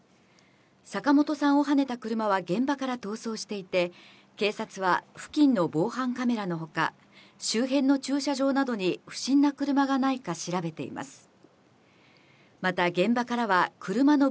坂本さんをはねた車は現場から逃走していて、警察は付近の防犯カメラのほか、周辺の駐車場などに不審な車がないか調べています。